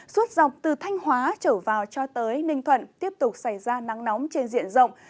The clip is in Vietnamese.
suốt dọc từ thanh hóa trở vào cho tới ninh thuận tiếp tục xảy ra nắng nóng trên diện rộng